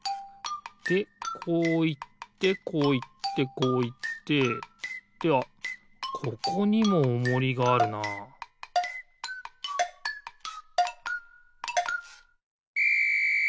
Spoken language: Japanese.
でこういってこういってこういってではここにもおもりがあるなピッ！